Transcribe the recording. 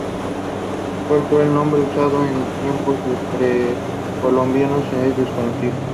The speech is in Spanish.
Cuál fuera el nombre usado en tiempos precolombinos, es desconocido.